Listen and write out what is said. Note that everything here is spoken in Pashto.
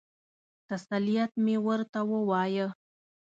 تسلیت مې ورته ووایه.